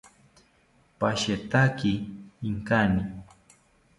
Pashetaki inkani